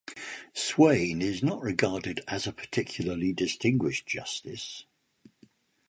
Swayne is not regarded as a particularly distinguished justice.